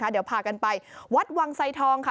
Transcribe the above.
เดี๋ยวพากันไปวัดวังไซทองค่ะ